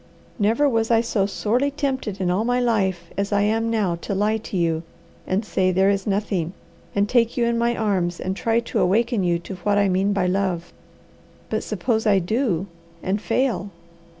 "Never was I so sorely tempted in all my life as I am now to lie to you, and say there is nothing, and take you in my arms and try to awaken you to what I mean by love. But suppose I do and fail!